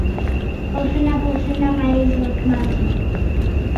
«Полшена, полшена! — марий-влак маныныт.